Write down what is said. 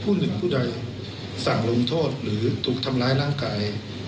หนึ่งผู้ใดสั่งลงโทษหรือถูกทำร้ายร่างกาย